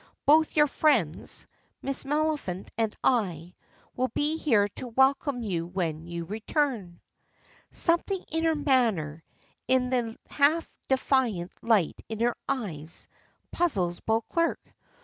Both your friends Miss Maliphant and I will be here to welcome you when you return." Something in her manner, in the half defiant light in her eyes, puzzles Beauclerk.